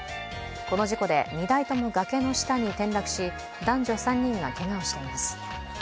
この事故で２台とも崖の下に転落し男女３人がけがをしています。